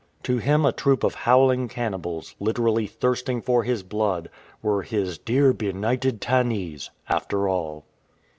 To him a troop of howling cannibals, literally thirsting for his blood, were his " dear benighted Tannese *" after all.